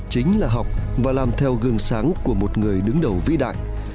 chính là học và làm theo gương sáng của một người đứng đầu vĩ đại